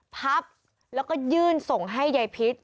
พับแล้วก็ยื่นส่งให้ยายพิษ